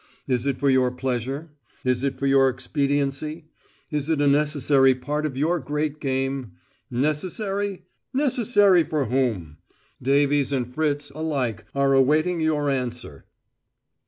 Is it for your pleasure? Is it for your expediency? Is it a necessary part of your great game? Necessary? Necessary for whom? Davies and Fritz alike are awaiting your answer.